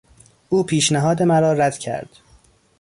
او پیشنهاد مرا رد کرد.